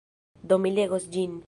Do mi legos ĝin.